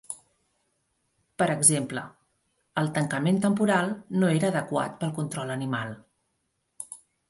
Per exemple, el tancament temporal no era adequat pel control animal.